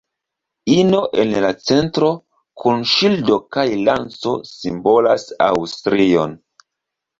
Ino en la centro, kun ŝildo kaj lanco simbolas Aŭstrion.